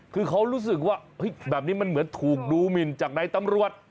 คือเขารู้สึกว่าแบบนี้มันเหมือนถูกดูหมินจากในตำรวจ